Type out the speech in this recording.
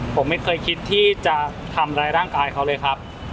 ผมไม่เคยคิดที่จะทำร้ายร่างกายเขาเลยครับ